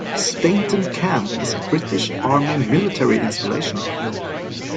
Stainton Camp is a British Army military installation.